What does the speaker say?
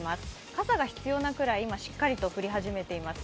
傘が必要なくらい今、しっかりと降り始めています。